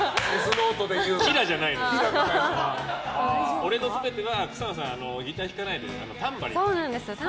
「俺のすべて」は草野さんがギターを弾かないでタンバリンで。